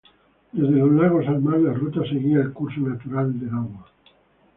Desde los lagos al mar la ruta seguía el curso natural del agua.